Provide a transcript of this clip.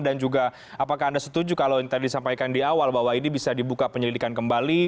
dan juga apakah anda setuju kalau yang tadi disampaikan di awal bahwa ini bisa dibuka penyelidikan kembali